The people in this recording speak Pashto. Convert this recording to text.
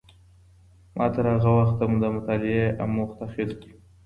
ما تر هغه وخته د مطالعې اموخت اخیستی و.